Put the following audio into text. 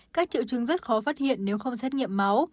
các triệu chứng rất khó phát hiện nếu không xét nghiệm máu